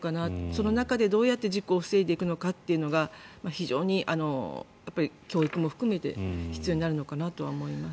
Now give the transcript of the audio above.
その中でどうやって事故を防いでいくのかというのが非常に教育も含めて必要になるのかなとは思います。